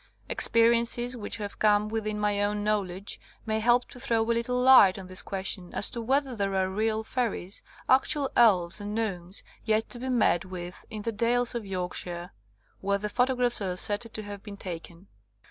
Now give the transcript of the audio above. *' Experiences which have come within my own knowledge may help to throw a little light on this question as to whether there are real fairies, actual elves and gnomes, yet to be met with in the dales of Yorkshire, where the photographs are asserted to have been taken.